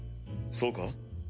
そうか？